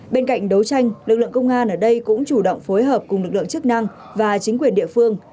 bên cạnh đấu tranh lực lượng công an ở đây cũng chủ động phối hợp cùng lực lượng chức năng và chính quyền địa phương